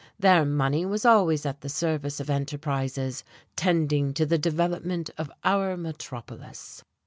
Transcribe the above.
Their money was always at the service of enterprises tending to the development of our metropolis.